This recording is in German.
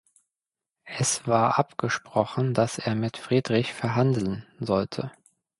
Es war abgesprochen, dass er mit Friedrich verhandeln sollte.